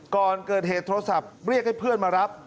ก่อนเกิดเหตุโทรศัพท์เรียกให้เพื่อนมารับ